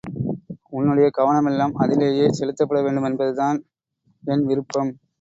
உன்னுடைய கவனமெல்லாம் அதிலேயே செலுத்தப்பட வேண்டுமென்பதுதான் என் விருப்பம்.